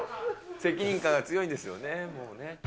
責任感が強いんですよね。